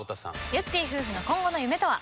ゆってぃ夫婦の今後の夢とは？